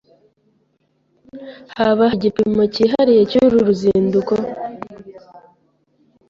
Haba hari igipimo cyihariye cyuru ruzinduko?